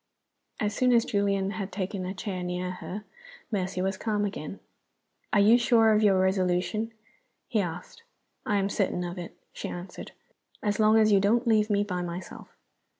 As soon as Julian had taken a chair near her, Mercy was calm again. "Are you sure of your resolution?" he asked. "I am certain of it," she answered, "as long as you don't leave me by myself."